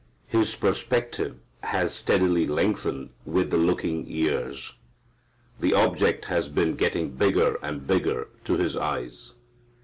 His perspective has steadily lengthened with the looking years. The object has been getting bigger and bigger to his eyes.